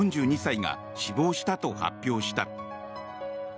４２歳が死亡したと発表した。